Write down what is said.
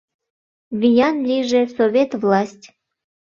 Виян лийже Совет власть!